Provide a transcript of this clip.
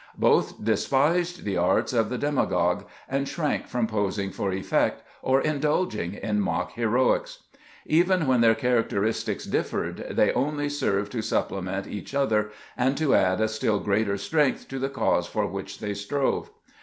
Both despised the arts of the demagogue, and shrank from posing for effect, or in dulging in mock heroics. Even when their character istics differed, they only served to supplement each other, and to add a still greater strength to the cause for which they strove.